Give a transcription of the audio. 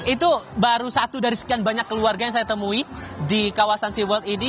itu baru satu dari sekian banyak keluarga yang saya temui di kawasan seawall ini